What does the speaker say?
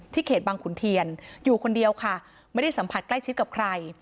เขตบังขุนเทียนอยู่คนเดียวค่ะไม่ได้สัมผัสใกล้ชิดกับใคร